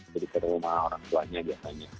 jadi ke rumah orang tuanya biasanya